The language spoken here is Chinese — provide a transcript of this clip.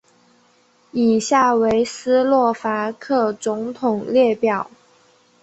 以下为斯洛伐克总统列表。